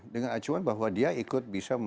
dengan acuan bahwa dia ikut bisa